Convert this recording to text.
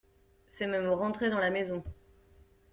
C’est même rentré dans la maison.